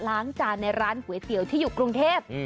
ล้างจานในร้านก๋วยเตี๋ยวที่อยู่กรุงเทพ